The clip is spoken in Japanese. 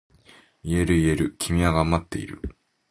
言える言える、君は頑張っている。